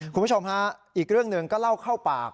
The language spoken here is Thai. คุณผู้ชมฮะอีกเรื่องหนึ่งก็เล่าเข้าปาก